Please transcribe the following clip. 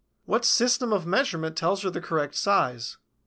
What system of measurement tells her the correct size?